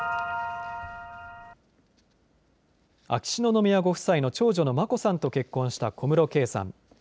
秋篠宮ご夫妻の長女の眞子さんと結婚した小室圭さん。